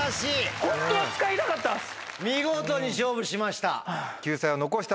見事に勝負しました。